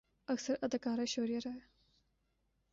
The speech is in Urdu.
اکثر اداکارہ ایشوریا رائے